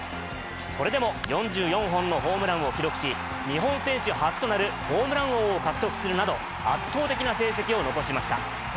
それでも４４本のホームランを記録し、日本選手初となるホームラン王を獲得するなど、圧倒的な成績を残しました。